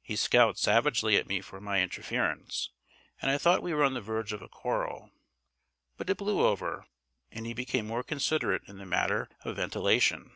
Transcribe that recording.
He scowled savagely at me for my interference; and I thought we were on the verge of a quarrel, but it blew over, and he became more considerate in the matter of ventilation.